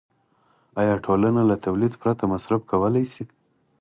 آیا ټولنه له تولید پرته مصرف کولی شي